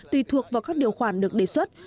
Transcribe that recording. tùy thuộc vào các điều khoản được đề xuất